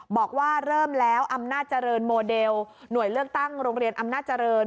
บอกว่าเริ่มแล้วอำนาจเจริญโมเดลหน่วยเลือกตั้งโรงเรียนอำนาจเจริญ